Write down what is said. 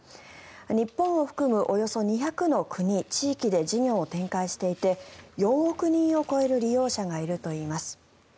日本を含むおよそ２００の国、地域で事業を展開していて４億人を超える利用者がいるといいます。